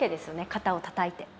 肩をたたいて。